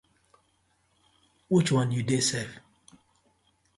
Which one yu dey sef?